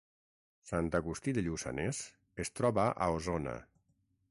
Sant Agustí de Lluçanès es troba a Osona